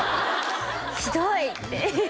「ひどい！」って